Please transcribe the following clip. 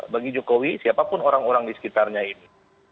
bagi jokowi siapapun orang orang di sekitarnya ini